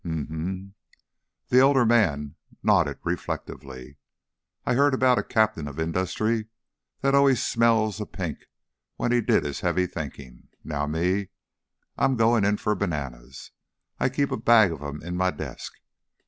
"Um m!" The elder man nodded reflectively. "I heard about a captain of industry that allus smelled a pink when he did his heavy thinkin'. Now me, I'm goin' in for bananas. I keep a bag of 'em in my desk.